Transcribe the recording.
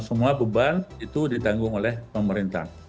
semua beban itu ditanggung oleh pemerintah